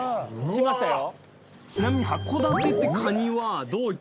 きましたよ。